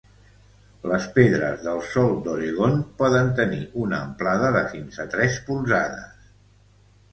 Les pedres del sol d'Oregon poden tenir una amplada de fins a tres polzades.